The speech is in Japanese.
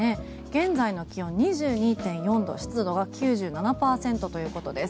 現在の気温、２２．４度湿度は９７％ということです。